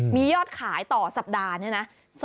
มียอดขายต่อสัปดาห์เนี่ยนะ